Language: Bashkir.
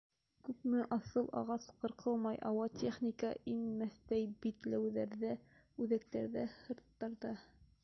Күпме аҫыл ағас ҡырҡылмай ауа техника инмәҫтәй битләүҙәрҙә, үҙәктәрҙә, һырттарҙа!